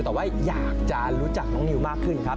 แต่ว่าอยากจะรู้จักน้องนิวมากขึ้นครับ